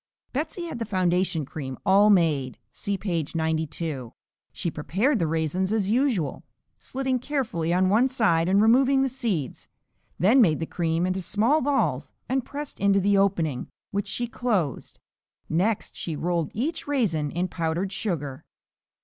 Betsey had the foundation cream all made (see page 92). She prepared the raisins as usual (slitting carefully on one side and removing the seeds), then made the cream into small balls and pressed into the opening, which she closed. Next she rolled each raisin in powdered sugar.